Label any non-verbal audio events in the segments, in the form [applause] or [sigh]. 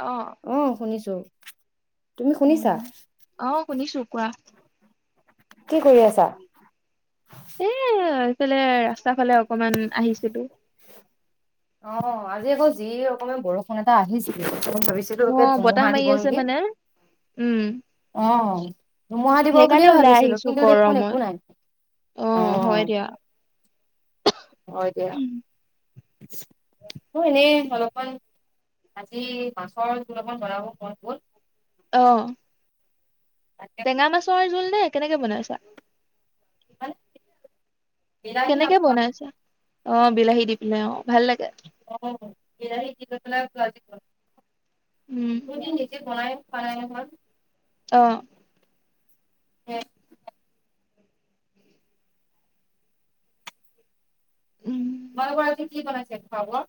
অ [inaudible] ওম শুনিছো। তুমি উম শুনিছা? অ শুনিছো কোৱা। কি কৰি আছা? ইফালে ৰাস্তা ফালে অকমান আহিছিলো। অ', আজি আকৌ যি ৰকমে বৰষুণ এটা আহিছিলে। ভাবিছিলো অ একে বতাহ ধুমুহা মাৰি দিব আছে নেকি মানে উম অ', ধুমুহা দিব সেইকাৰণে বুলিয়ে ওলাই ভাবিছিলো আহিছো কিন্তু দেখোন একো গৰমত নাই অ হয় দিয়া হয় দিয়া। মোৰ এনেই অলপমান আজি মাছৰ চলপমান বনাব মন গল। অহ', তাকে টেঙা মাছৰ জোল নে কেনেকে বনাইছা? [inaudible] বিলাহী কেনেকে বনাইছে? অ ', বিলাহী দি পিনে অ', ভাল লাগে। অ', [unintelligible] উম দুদিন নিজে বনাই। খোৱা নাই নহয়। অ', এ। উম', মানবৰা কি- কি বনাইছে খোৱা বোৱা?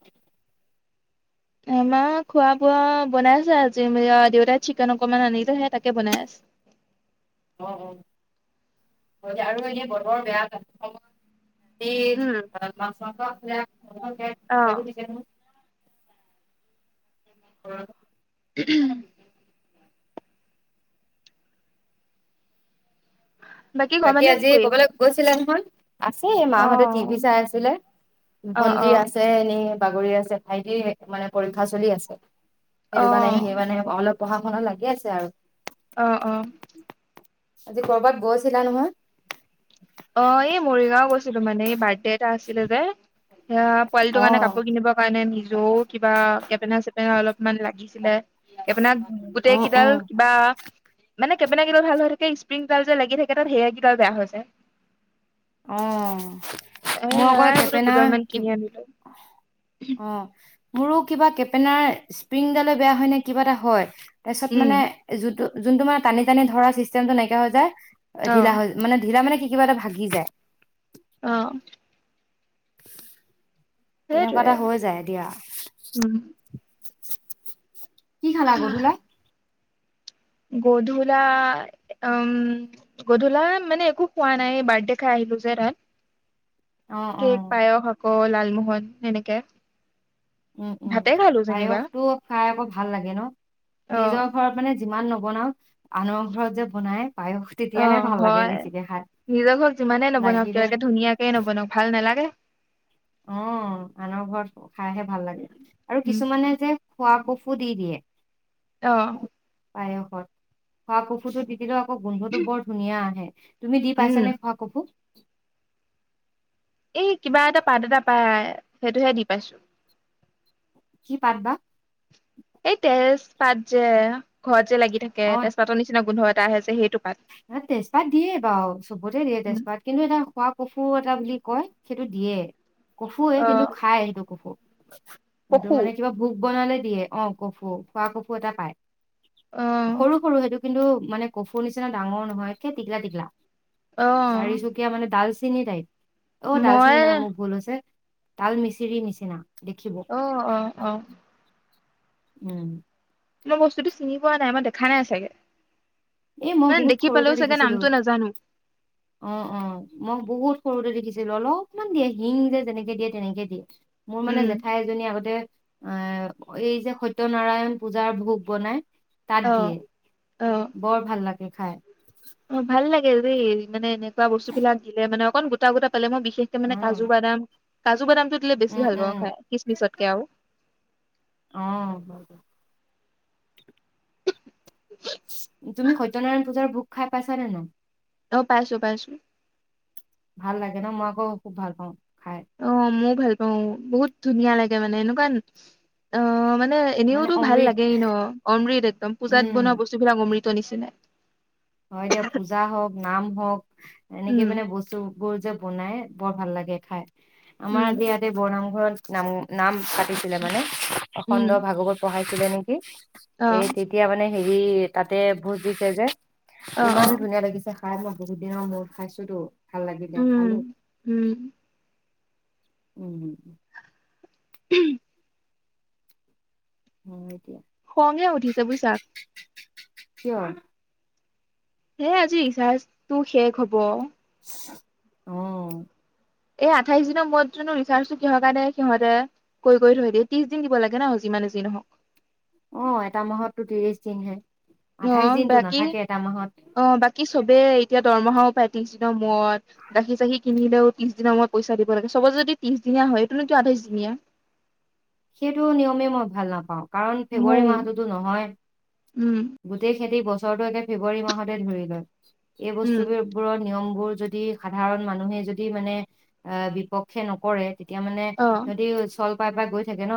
এমা খোৱা বোৱা বনাই আছে আজি দেউতাই চিকেন অকনমান আনিলেহে তাকে বনাই আছে। অ', - অ', আৰু এনে ব বৰ বেয়া। ই উম মাছ মাংস অ [unintelligible] অ উম। ঘৰৰ বাকী মানুহে কি আজি কৰি আছে ক'বালৈ গৈছিলা নহয়। আছে অ মাহতে টিভি চাই আছিলে অ ভন্টি অ আছে এনে। বাগৰি আছে ভাইটিৰ মানে পৰীক্ষা চলি আছে। অ সেইটো কাৰণে সি মানে অলপ। পঢ়া শুনা লাগি আছে আৰু। অহ অ। আজি কৰবাত গৈছিলা নহয়। অ এই মৰিগাঁও গৈছিলো মানে এই বাৰ্থডে এটা আছিলে যে। এয়া পোৱালিটোৰ কাৰণে অ'। কাপোৰ কিনিবৰ কাৰণে নিছো । যৌ কিবা কেপেনা চেপেনা অলপমান লাগিছিলে কেপেনা গোটেই অ', কেইডাল অ', কিবা। মানে কেপেনা কিডাল ভাল হৈ থাকে স্প্ৰিংডাল যে লাগি থাকে তাত সেয়া কিতাওঁ বেয়া হৈছে। অ এ মোৰ আকৌ সেয়াই বোলো কেপেনা দুডাল মান কি কিনি আনিলো অহ মোৰো কিবা কেপেনাৰ স্প্ৰিংডালে বেয়া হয় নে কিবা এটা হয়। তাৰপিছত উম মানে যোনটো যোনটো মানে টানি টানি ধৰা ছিষ্টেমটো নাইকিয়া হৈ যায়। অ ঢিলা হৈ মানে ঢিলা মানে। কিবা এটা ভাগি যায়। অহ তেনেকোৱা সেইটোৱে এটা হৈ যায় দিয়া। উম কি খালী গধূলাই গধূলাভউম গধূলা মানে একো খোৱা নাই বাৰ্থডে খাই আহিলো যে তাত অ অ কেক পায়স অ লাল মোহন এনেকে উম উম পায়সটো খাই আকৌ ভাল লাগে ন অ নিজৰ ঘৰত মানে যিমান ন বনাও আনৰ ঘৰত যে বনাই পায়স অ তেতিয়াহে ভাল লাগে হয় বেছিকে খাই নিজ ঘৰত যিমানে নবনাওক লাগিলে কিয় একে ধুনীয়াকে নবনাওক ভাল নালাগে। অ আনৰ ঘৰত খাইহে ভাল লাগে আৰু উম কিছুমানে যে খোৱা কফো দি দিয়ে অঁ পায়সত খোৱা কফোতো দিলৌ আকৌ গোন্ধটো বৰ ধুনীয়া আহে। তুমি দি পাইছ উম নে খোৱা কফু এই কিবা এটা পাত এটা পায় সেইটোহে দি পাইছো কি পাত বা এই তেজ পাত যে ঘৰ লাগি থাক অ তেজপাতৰ নিচিনা গোধ গোটাহে যে সেইটো পাত তেজপাত দিয়ে বাৰু চবতে দিয়ে উম তেজপাত কিন্তু এটা খোৱা কফু বুলি কয় সেইটো দিয়ে কফু অ কিন্তু খাই সেইটো কফু হয় [unintelligible] সেইটো পশু মানে কিবা ভ বনালে দিয়ে অ কফু খোৱা কফু এটা পায় অ সৰু সৰু সেইটো কিন্তু মানে কফুৰ নিচিনা না ডাঙৰ নহয় হে তিকলা তিকলা অ চাৰি চুক তিনি টাইপ অ ডালচিনি মই নহয় মোক ভুল আছে তাল মিচিৰি নিচিনা দেখিব আহ আহ আহ উম মই বস্তুতটো চিনি পোৱা নাই মই দেখা নাই চাগে এ মই মানে বহুত দেখি সৰুতে পালেও চাগে দেখিছিলো নামটো নাজানো অ অ মই বহুত সৰুতে দেখিছিলো অলপমান দিয়ে শিং যেনেকে দিয়ে তেনেকে দিয়ে মোৰ মানে উম জেঠাই এজনী আগতে এ এই যে সত্যনাৰায়ণ পূজাৰ ভোগ বনাই তাত আহ দিয়ে আহ বৰ ভাল লাগে খাই অ ভাল লাগে দেই মানে এনেকুৱা বস্তু বিলাক দিলে মানে অকন গোটা গোটা পালে মই বিশেষকে অ মানে কাজু বাদাম কাজু বাদাম এইতো দিলে বেছি উম ভাল পাওঁ উম খাই কিচমিচতকে আৰু অ তুমিসত্তনাৰায়ণ পূজাৰ ভোক খাই পাইছানে ন অ পাইছো পাইছো ভাল লাগে ন মই আকৌ খুব ভাল পাওঁ খাই মো ভাল পাওঁ বহোত ধুনীয়া লাগে মানে অ মানে মানে এনেওতো ভাল অমৃত লাগেই ন', অমৃত একদম, পূজাত উম বনোৱা বস্তুবিলাক অমৃত। অমৃতনিচি নাই, হয়', দিয়া পূজা হওঁক, নাম- হওঁক, এনেকে উম মানে বস্তু, বোৰ যে', বনাই বৰ ভাল লাগে খায়। আমাৰ উম বিয়াতে বনাম ঘৰ, নাম', - নাম', পা পাতিছিলে মানে উম এখণ্ড-ভাগৱত পঢ়াই। দিছিলে নেকি, অ এই তেতিয়া মানে, হেৰি', তাতে ভোজ দিছে যে, অ অ ইমান ধুনীয়া লাগিছে। কাৰণ মই বহুত দিনৰ মূৰত খাইছোটো, উম', - উম', উম', - উম', উম', খঙে উঠিছে বুজিছা কিয়? হেই আজি ৰিচাৰ্জটো শেষ হব। অ', এই আঠাইশ দিনৰ মূৰতনো ৰিচাৰ্জো কিহৰ কাৰণে সিহঁতে কৰি- কৰিথৈ দিয়ে ত্ৰিশ-দিন দিব লাগে ন', যিমানে যি নহওক। অ', এটা মাহততো ত্ৰিশ, দিনহে, আঠাইশ অ', দিনতো নাথাকে -বাকী- এটা মাহত অ', - বাকী ', চবে এতিয়া দৰমহাও পায় ত্ৰিশ দিনৰ মূৰত, গাখীৰ-চাখিৰ কিনিলেও ত্ৰিশ দিনৰ মূৰত পইচা দিব লাগে ।চবতে যদি ত্ৰিশ দিনীয়া হয় এইটো নো', আঠাইছ দিনীয়া। সেইটো নিয়মেই মই ভাল নাপাওঁ। কাৰণ ফেব্ৰুৱাৰী মৌ মাহতোতো নহয়, উম গোটেই খেতি বস্ত, বছৰটো এতিয়া ফেব্ৰুৱাৰী মাহতে ধৰি লয়, এই উম বস্তুবোৰৰ নিয়ম, বোৰ যদি সাধাৰণ মানুহে যদি মানে আহ', বিপক্ষে নকৰে, তেতিয়া মানে অ সিহঁতি চল, [unintelligible] থাকে ন',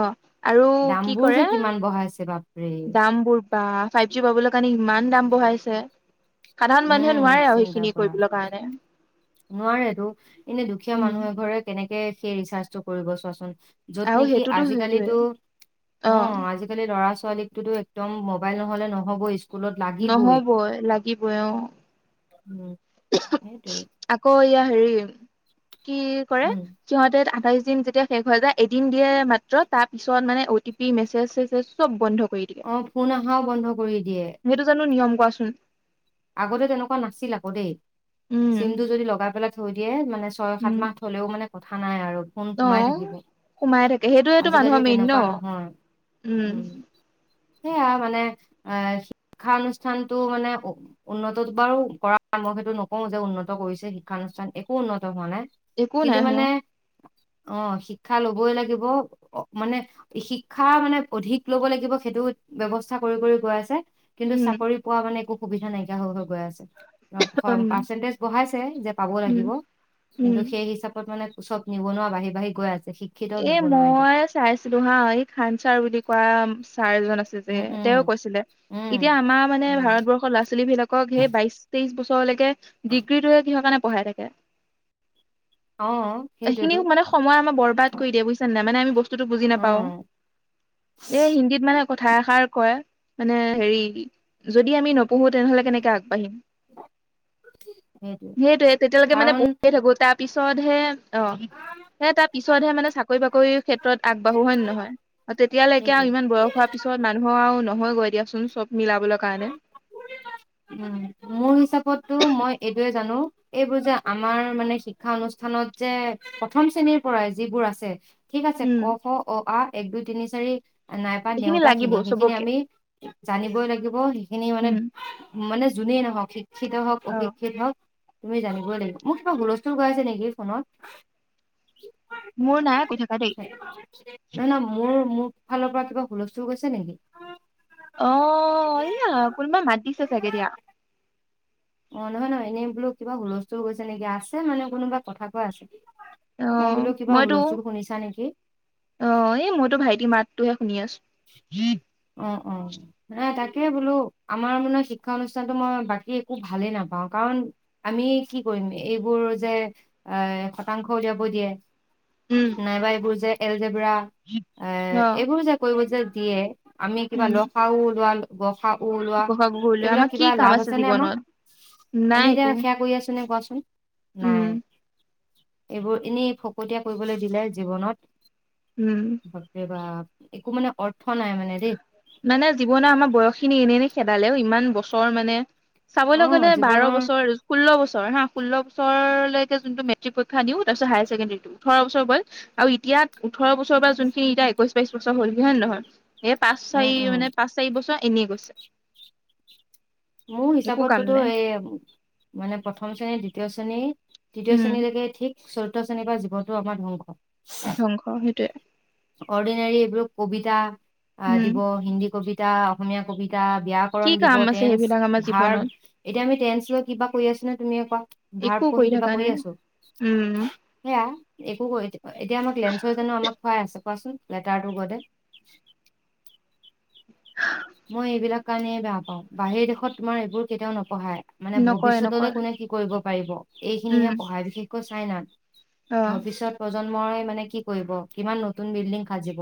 অ', আৰু কি দামবোৰ কৰে, যে কিমান বঢ়াইছে বাপৰে দাম বোৰ বা ', ফাইভ- জি পাবলৈ কাৰণে ইমান দাম বঢ়াইছে। সাধাৰণ মানুহে উম নোৱাৰে আৰু সেইখিনি কৰিবলৈ কাৰণে। নোবাৰে তো এনে দুখীয়া উম মানুহ এঘৰে কেনে তেনেকে সেই ৰিচাৰ্চ টো কৰিব চোৱাচোন য'ত আৰু নেকি সেইটোতো সেইটোৱে আজিকালিতো অ আজিকালি ল'ৰা ছাল ছোৱালীকতো একদম মবাইল নহ'লে নহ'বই স্কুলত লাগিবই নহবই লাগিবই অ উম সেইটোৱেই আকৌ এয়া হেৰি কি কৰে উম সিহঁতে আঠাইছ দিন যেতিয়া শেষ হৈ যায় এদিন দিয়ে মাত্ৰ তাৰ পিছত মানে অ' টি পি মেছেজ চেছেজ চব বন্ধ কৰি দিয়ে অ ফোন অহাও বন্ধ কৰি দিয়ে সেইটো জানো নিয়ম কোৱাচোন আগতে তেনেকুৱা নাছিল আকৌ দেই উম চিমটো যদি লগাই পেলাই থৈ দিয়ে মায়ে মানে ছয়, সাত উম মাহ হ'লেও মানে কথা নাই আৰু ফোন অ সোমাই থাকিব সোমাই থাকে, সেইটোয়েটো আজিকালি মানুহৰ মেইন ন তেনেকুৱা নহয় উম, সেইয়া মানে, এ শিক্ষানুষ্ঠানটো মানে উন্নতটো বাৰু কৰা পৰামৰ্শ সেইটো নকওঁ যে, উন্নত কৰিছে, শিক্ষানুষ্ঠান একো উন্নত উন্নত হোৱা নাই, একো কিন্তু নাই হোৱা মানে অ শিক্ষা লবই লাগিব, মানে শিক্ষা মানে অধিক লব লাগিব, সেইটো ব্যৱস্থা কৰি কৰি গৈ আছে। কিন্তু উম চাকৰি পোৱা মানে একো সুবিধা নাই। ক হৈ গৈ আছে উম [unintelligible] পাৰ্চেন্টেজ বঢ়াইছে যে পাব উম লাগিব, উম কিন্তু সেই হিচাপত মানে চব নিবনুৱা বাঢ়ি, বাঢ়ি গৈ আছে। শিক্ষিত এ নিবনুৱা এতিয়া মই চাইছিলো হা, এই খান চাৰ বুলি কোৱা চাৰ এজন আছে যে উম উম তেওঁ কৈছিলে, এতিয়া উম আমাৰ মানে উম ভাৰতবৰ্ষৰ ল'ৰা ছোৱালী বিলাকক সেই বাইশ, তেইশ বছৰ তেওঁলোকে ডিগ্ৰীটোৱে কিহৰ কাৰণে? পঢ়াই থাকে। অ এইখিনি সেইটোৱেতো মানে সময় আমাৰ বৰবাদ। বুজিছা নাই মানে‌ আমি বস্তু টো বুজি অ নাপাওঁ, এই হিন্দীত মানে কথা এষাৰ কয়, মানে হেৰি যদি আমি নপঢ়ো, তেনেহলে কেনেকে আগবাঢ়িম। সেইটোৱে সেইটোয়ে, তেতিয়ালৈকে মানে কাৰণ পঢ়িয়ে থাকো তাৰ পিছতহে অ সে তাৰ পিছতহে মানে চাকৰি বাকৰি ক্ষেত্ৰত আগবাঢ়ো হয়, নহয় আৰু তেতিয়ালৈকে সেইটোৱে আৰু ইমান বয়স হোৱা পিছত মানুহৰ আৰু নহয়। নহয় গৈ দিয়াচোন, চব মিলাবলৈ কাৰণে উম, মোৰ হিচাপতটো মই এইটোয়ে জানো এইবোৰ যে আমাৰ মানে শিক্ষা অনুষ্ঠানত যে, প্ৰথম শ্ৰেণীৰ পৰাই যিবোৰ আছে ঠিক আছে ক, উম খ, অ, আ, এক, দুই, তিনি, চাৰি, নাইবা এইখিনি নেওতা লাগিব খিনি সেইখিনি চবকে আমি জানিবই লাগিব। সেইখিনি মানে উম মানে যোনেই নহওঁক শিক্ষিত হওক, অ অশিক্ষিত হওক, তুমি জানিবই লাগিব মোৰ কিবা গুলস্থুল গইআছে নেকি ফোনত। মোৰ নাই কৈ থকা দেই নাই ন মোৰ মোৰ। ফালৰ পৰা কিবা হুলস্থুল গৈছে নেকি। অ এয়া কোনোবা মাতিছে। চাগে দিয়া। অ নহয় নহয় এনেই বোলো কিবা হুলস্থুল গৈছে নেকি আছে মানে কোনোবা কথা কোৱা আছে। অ মই বোলো কিবা মইতো হুলস্থুল শুনিছা নেকি অ এই মইতো ভাইটি মাত। ত [unintelligible] অ অ হা তাক। তাকে বোলো আমাৰ মানে শিক্ষা অনুষ্ঠানটো মই বাকী একো ভালেই নাপাওঁ কাৰণ আমি কি কৰিম এইবোৰ যে এ শতাংশ উলিয়াব দিয়ে। উম নাই ভাই বুজে। জেব্ৰা অ এইবোৰ যে। তো যে দিয়ে। আমি কিবা উম ল খা উ ওলোৱা। খা উ ওলোৱা ঘোষা ঘুগুৰলৈ এইবিলাক আমাৰ কি কিবা কাম লাভ আছে নে আমাৰ জীৱনত আমি নাই এতিয়া একো সেয়া কৰি আছো নে কোৱাছো। নাই। উম এইবোৰ এনেই ফকতীয়া কৰিবলৈ দিলে জীৱনত। উম বাপ্ৰে বাপ। একো মানে অ। মানে জীৱনৰ আমাৰ বয়স খিনি এনে এনে। খেদালেও ইমান বছৰ মানে। অ চাবলৈ গ'লে বাৰ জীৱনৰ বছৰ ষোল্ল বছৰ। ধৰ হা ষোল্ল লৈকে যোনটো মেট্ৰিক পৰীক্ষা দিও তাৰ পিছ হায়াৰ ছেকেণ্ডেৰীটো ওঠৰ বছৰ হল আৰু এতিয়া ওঠৰ বছৰ যোনখিনি এতিয়া একৈশ বাইশ বছৰ হল কি হয় নে নহয়। এ পাঁচ উম চাৰি উম মানে পাঁচ চাৰি বছৰ। এনেই গৈছে। মোৰ একো কাম হিচাপততো নাই এই মানে প্ৰথম শ্ৰেণী দ্বিতীয় শ্ৰেণী। দ্বৃতীয় উম শ্ৰেণীলৈৰেকে ঠিক। চতুথ শ্ৰেণীৰ পৰা জীৱনটোো আমাৰ ধ্বংস। ধ্বংস সেইটোৱেই। অৰ্ডিনাৰী এইবোৰ কবিতা। আহ উম দিব হিন্দী কবি। এতিয়া অসমীয়া কবিতা । এয়া কি ব্যাকৰণ দিব কাম আছে টেন্স সেইবিলাক আমাৰ ভাব জীৱনত এতিয়া আমি টেন্স লৈ কিবা কৰি আছো নে তুমিয়ে কোৱা ভাৰ একো পঢ় কিবা থকা কৰি নাই আছো উম সেয়া একো এতিয়া আমাক লেন্সৰ জানো আমাক খুৱাই আছে। কোৱাচোন লেতাৰটো গদে মই এইবিলাক কাৰণে বেয়া পাওঁ, বাহিৰ দেশত তোমাৰ এইবোৰ কেতিয়াও নপঢ়ায়। মানে নকয় ভৱিষ্যতলৈ নকয় কোনে কি কৰিব? পাৰিব। এইখিনিহে উম পঢ়াই দেখি ক'ত ছাইনাত? অ ভৱিষ্যত প্ৰজন্মৰ প্ৰজন্মই মানে কি কৰিব কিমান নতুন বিল্ডিং সাজিব?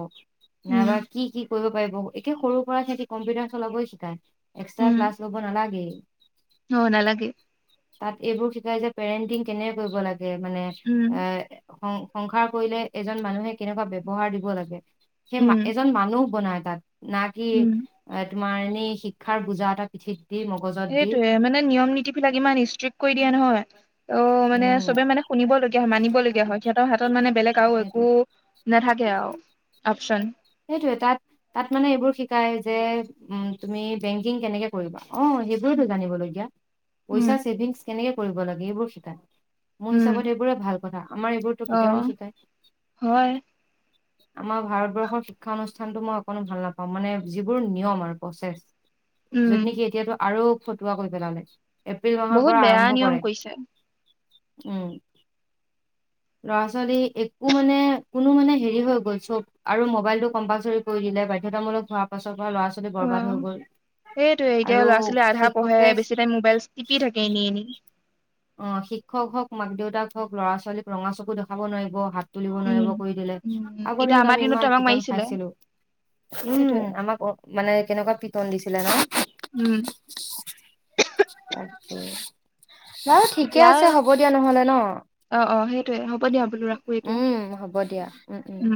নাই বা উম কি কি কৰিব? এতিয়া সৰু পৰা খেতি কম্পিউটাৰ চলাবই শিকায়, এক্সট্ৰা উম ক্লাছ ল'ব নালাগে। অ নালাগে তাত এইবোৰ শিকাই যে, পেৰেণ্টিং কেনে কৰিব লাগে। যে মানে উম এ সং সংসাৰ কৰিলে এজন মানুহে কেনেকুৱা ব্যৱহাৰ দিব লাগে। সেই উম এজন মানুহ বনাই [inaudible] না কি উম তোমাৰ এনেই শিক্ষাৰ বুজা এটা পিঠিত দি মগজত দি সেইটোয়ে, মানে নিয়ম নীতি বিলাক ইমান ষ্ট্ৰিক্ট কৰি দিয়া নহয় অ মানে উম চবে মানে শুনি হয় মানিবলগীয়া হয়, সিহঁতৰ হাতত মানে বেলেগ আৰু একো সেইটোয়ে নেথাকে আৰু অপচন, সেইটোয়ে তাত, তাত মানে এইবোৰ শিকাই যে, উম তুমি বেংকিং কেনেকে কৰিবা? অ সেইবোৰেতো, জানিবলগীয়া উম পইচা ছেভিংছ কেনেকে? কৰিব লাগে, এইবোৰ শিকাই। মোৰ উম হিচাপত এইবোৰে ভাল কথা, আমাৰ এইবোৰতো অ কেতিয়াও নিশিকায়। হয় আমাৰ ভাৰতবৰ্ষৰ শিক্ষা অনুষ্ঠানতটো মই অকণো ভাল নাপাওঁ। মানে যিবোৰ নিয়ম আৰু প্ৰচেছ উম যত নেকি এতিয়াতো আৰু ফটুৱা কৰি পেলালে এপ্ৰিল মাহৰ বহুত পৰা বেয়া আৰম্ভ কৰে নিয়ম কৰিছে। উম, লৰা -ছোৱালী একো মানে, কোনো মানে হেৰি হৈ গ'ল চব আৰু মোবাইলটো কম্পালচৰি কৰি দিলে, বাধ্যতামুলক হোৱাৰ পাছত অ সেইটোয়ে, এতিয়া আৰু ল'ৰা -ছোৱালী আধা পঢ়ে, শিক্ষকে বেছি টাইম মোবাইল টিপি থাকে এনে এনে, অ শিক্ষক হওক মাক দেউতাক হওক ল'ৰা ছোৱালীক ৰঙা চকু দেখুৱাব নোৱাৰিব হাত তুলিব উম নোৱাৰিব কৰি দিলে উম আগৰ এতিয়া দিনত আমাৰ আমি দিনততো ইমান আমাক পিটন মাৰিছিলে খাইছিলো সেইটোৱে ।উম আমাক মানে কেনেকুৱা পিটন দিছিলে ন উম তাকে বাৰু ঠিকে দিয়া আছে ।হ'ব দিয়া নহ'লে অ অ সেইটোৱে হ'ব দিয়া বোলো ন ৰাখো এতিয়া উম হ'ব দিয়া উম উম